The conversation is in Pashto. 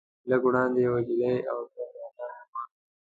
لږ وړاندې یوه نجلۍ او دوه ځوانان روان وو.